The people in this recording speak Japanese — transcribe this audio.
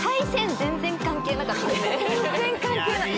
全然関係ない。